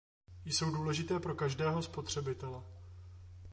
Jsou důležité pro každého spotřebitele.